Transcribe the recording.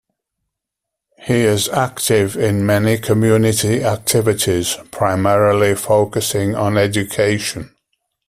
He is active in many community activities, primarily focusing on education.